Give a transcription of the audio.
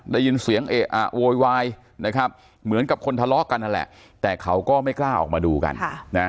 ได้ยินเสียงเอะอะโวยวายนะครับเหมือนกับคนทะเลาะกันนั่นแหละแต่เขาก็ไม่กล้าออกมาดูกัน